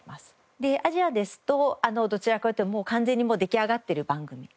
でアジアですとどちらかというと完全にもう出来上がってる番組が欲しい。